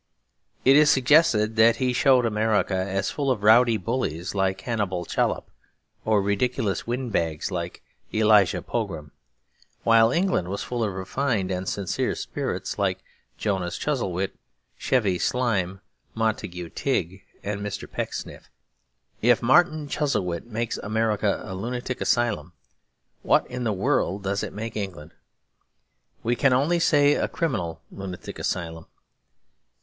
It is suggested that he showed America as full of rowdy bullies like Hannibal Chollop, or ridiculous wind bags like Elijah Pogram, while England was full of refined and sincere spirits like Jonas Chuzzlewit, Chevy Slime, Montague Tigg, and Mr. Pecksniff. If Martin Chuzzlewit makes America a lunatic asylum, what in the world does it make England? We can only say a criminal lunatic asylum.